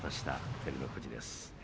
照ノ富士です。